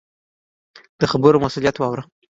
د خبرو مسؤلیت واوره.